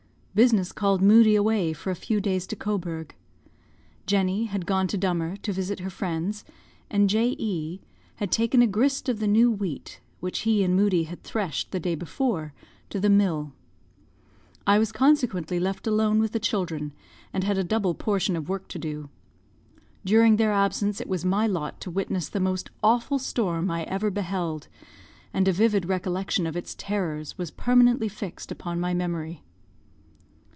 Business called Moodie away for a few days to Cobourg. Jenny had gone to Dummer, to visit her friends, and J. E had taken a grist of the new wheat, which he and Moodie had threshed the day before, to the mill. I was consequently left alone with the children, and had a double portion of work to do. During their absence it was my lot to witness the most awful storm I ever beheld, and a vivid recollection of its terrors was permanently fixed upon my memory.